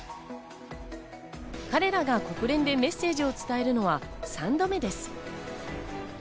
彼らが国連でメッセージを伝えるのは３度目です。